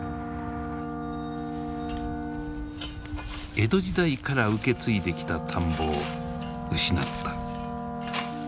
江戸時代から受け継いできた田んぼを失った。